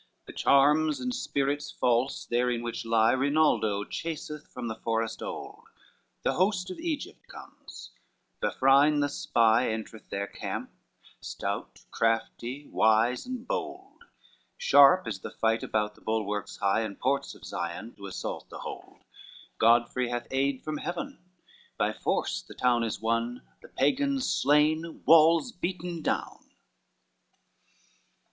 The charms and spirits false therein which lie Rinaldo chaseth from the forest old; The host of Egypt comes; Vafrin the spy Entereth their camp, stout, crafty, wise and bold; Sharp is the fight about the bulwarks high And ports of Zion, to assault the hold: Godfrey hath aid from Heaven, by force the town Is won, the Pagans slain, walls beaten down.